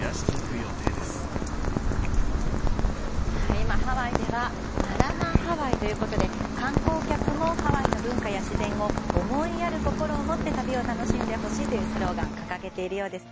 今、ハワイでは「マラマハワイ」ということで観光客もハワイの文化や自然を思いやる心を持って旅を楽しんでほしいというスローガンを掲げているようです。